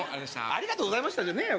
ありがとうございましたじゃねえよ